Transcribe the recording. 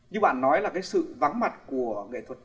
như bạn nói là cái sự vắng mặt của nghệ thuật